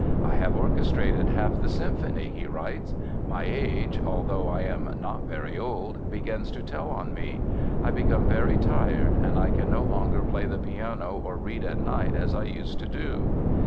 "I have orchestrated half the symphony," he writes. "My age, although I am not very old, begins to tell on me. I become very tired, and I can no longer play the piano or read at night as I used to do."